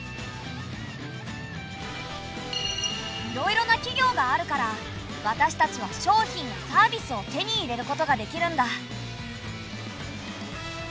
いろいろな企業があるから私たちは商品やサービスを手に入れることができるんだ。